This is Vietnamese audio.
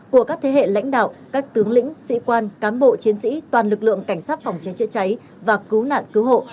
của các thế hệ lãnh đạo các tướng lĩnh sĩ quan cán bộ chiến sĩ toàn lực lượng cảnh sát phòng cháy chữa cháy và cứu nạn cứu hộ